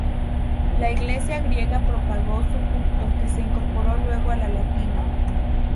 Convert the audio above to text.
La Iglesia griega propagó su culto, que se incorporó luego a la latina.